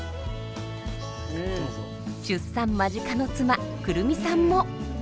出産間近の妻胡桃さんも。